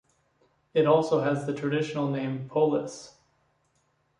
It also has the traditional name Polis.